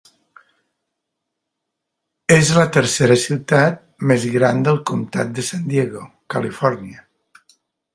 És la tercera ciutat més gran del comtat de San Diego, Califòrnia.